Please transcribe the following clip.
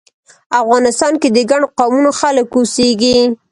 افغانستان کې د ګڼو قومونو خلک اوسیږی